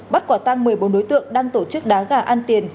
bắt quả tăng một mươi bốn đối tượng đang tổ chức đá gà ăn tiền